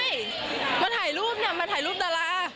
มาถ่ายรูปน่ะมาถ่ายรูปดารา